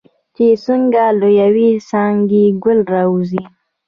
چې څنګه له یوې څانګې ګل راوځي.